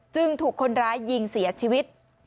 ถูกคนร้ายยิงเสียชีวิต